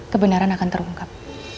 kebenaran akan terungkap